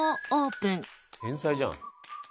天才じゃん。